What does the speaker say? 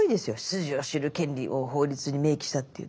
出自を知る権利を法律に明記したって。